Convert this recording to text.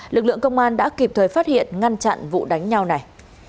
lực lượng công an đã kịp thời phát hiện ngăn chặn vụ đánh nhau này